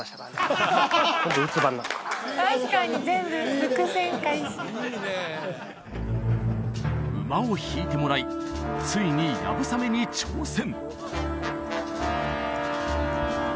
確かに馬を引いてもらいついに流鏑馬に挑戦！